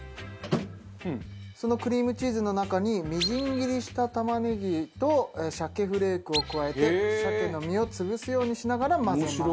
そのクリームチーズの中にみじん切りした玉ねぎと鮭フレークを加えて鮭の身を潰すようにしながら混ぜます。